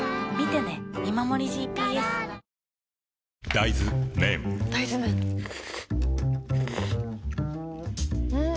大豆麺ん？